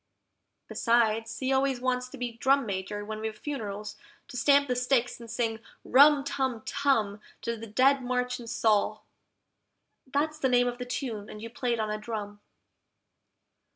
Besides, he always wants to be Drum Major when we've funerals, to stamp the stick and sing RUM TUM TUM To the Dead March in Saul (that's the name of the tune, and you play it on a drum).